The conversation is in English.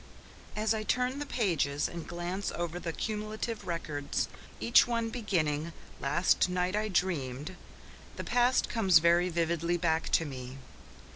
As I turn the pages and glance over the () records, each one beginning, "Last night I dreamed," the past comes very vividly back to me.